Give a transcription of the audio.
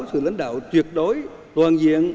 sự lãnh đạo tuyệt đối toàn diện